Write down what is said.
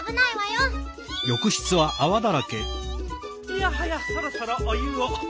いやはやそろそろお湯を。